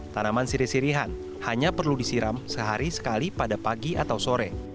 tanaman siri sirihan hanya perlu disiram sehari sekali pada pagi atau sore